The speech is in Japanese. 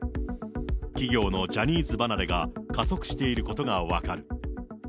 企業のジャニーズ離れが加速していることが分かる。